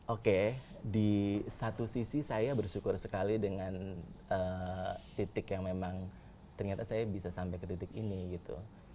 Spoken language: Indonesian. oke di satu sisi saya bersyukur sekali dengan titik yang memang ternyata saya bisa sampai ke titik ini gitu